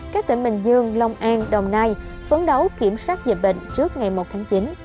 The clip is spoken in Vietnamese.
các tỉnh bình dương long an đồng nai phấn đấu kiểm soát dịch bệnh trước ngày một tháng chín